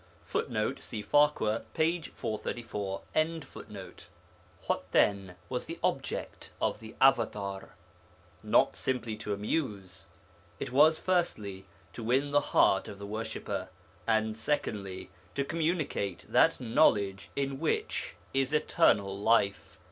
[Footnote: See Farquhar, p. 434.] What, then, was the object of the avatâr? Not simply to amuse. It was, firstly, to win the heart of the worshipper, and secondly, to communicate that knowledge in which is eternal life.